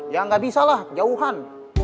ya nggak bisa lah jauhan